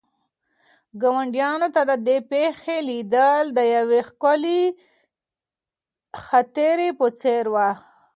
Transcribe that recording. ګاونډیانو ته د دې پېښې لیدل د یوې ښکلې خاطرې په څېر وو.